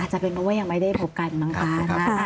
จะเป็นมันว่ายังไม่ได้พบกันบางปัน